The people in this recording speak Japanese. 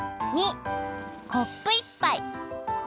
②コップ１ぱい。